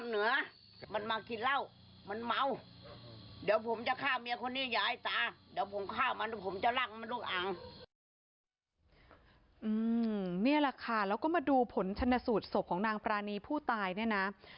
นี่แหละค่ะแล้วก็มาดูผลชนสูตรศพของนางปรานีผู้ตายเนี่ยนะ